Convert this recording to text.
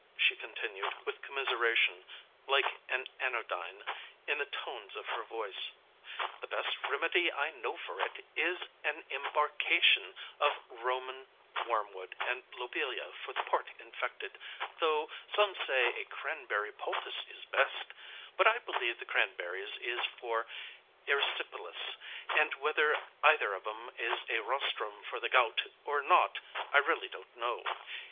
she continued, with commiseration, like an anodyne, in the tones of her voice; "the best remedy I know for it is an embarkation of Roman wormwood and lobelia for the part infected, though some say a cranberry poultice is best; but I believe the cranberries is for erisipilis, and whether either of 'em is a rostrum for the gout or not, I really don't know.